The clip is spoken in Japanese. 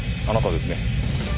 あなたですね？